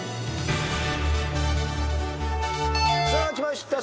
さあきました。